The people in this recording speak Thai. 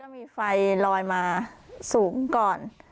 มีไฟลอยมาสูงก่อน